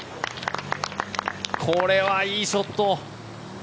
これはいいショット。